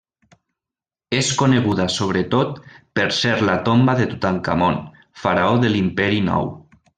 És coneguda sobretot per ser la tomba de Tutankamon, faraó de l'Imperi nou.